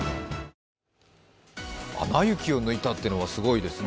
「アナ雪」を抜いたっていうのはすごいですね。